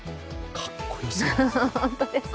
かっこよすぎます。